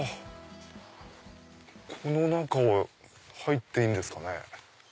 この中は入っていいんですかね。